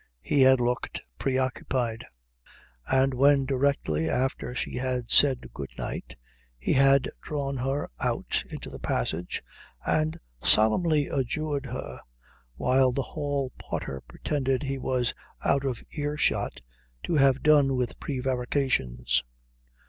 He had looked preoccupied. And when directly after it she said good night, he had drawn her out into the passage and solemnly adjured her, while the hall porter pretended he was out of ear shot, to have done with prevarications.